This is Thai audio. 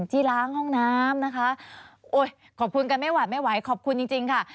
ที่ล้างห้องน้ำนะคะโอ้ยขอบคุณกันไม่หวาดไม่ไหวขอบคุณจริงค่ะ